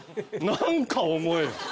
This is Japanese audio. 何か思えよ。